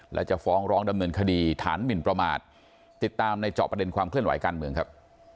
และจะฟ้องร้องดำเนินคดีฐานหมินประมาทติดตามในเจาะประเด็นความเคลื่อนไหวการเมืองครับ